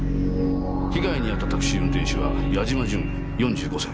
被害に遭ったタクシー運転手は八嶋淳４５歳。